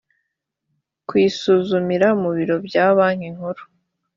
kuyisuzumira mu biro bya banki nkuru